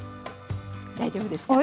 大丈夫ですか。